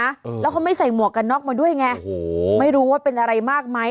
เพราะว่าเขาไม่ใส่หมวกกันนอกมาด้วยไงไม่รู้ว่าเป็นอะไรมากมั้ย